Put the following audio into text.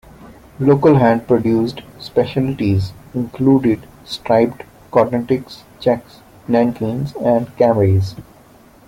Local hand-produced specialities included striped cotton ticks, checks, Nankeens and Camrays.